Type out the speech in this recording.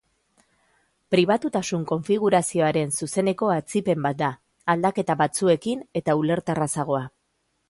Pribatutasun konfigurazioaren zuzeneko atzipen bat da, aldaketa batzuekin eta ulerterrazagoa.